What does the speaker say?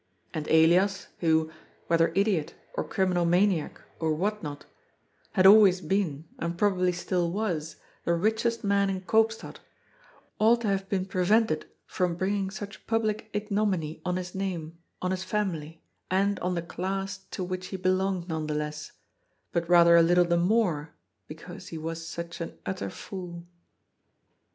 And Elias, who — whether idiot or criminal maniac or what not — ^had always been, and probably still was, the richest man in Eoopstad, ought to have been prevented from bringing such public ignominy on his name, on his family, and on the class to which he belonged none the less, but rather a little the more, because he was such an utter fool.